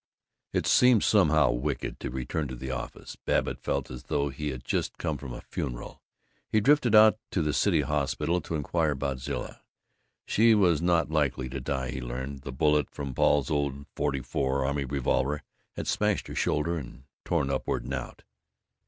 It seemed somehow wicked to return to the office. Babbitt felt as though he had just come from a funeral. He drifted out to the City Hospital to inquire about Zilla. She was not likely to die, he learned. The bullet from Paul's huge old .44 army revolver had smashed her shoulder and torn upward and out.